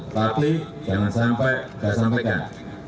tapi jangan sampai tidak disampaikan